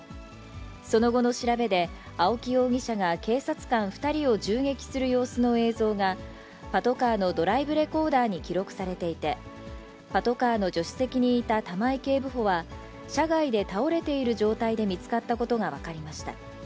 その後の調べで、青木容疑者が警察官２人を銃撃する様子の映像が、パトカーのドライブレコーダーに記録されていて、パトカーの助手席にいた玉井警部補は、車外で倒れている状態で見つかったことが分かりました。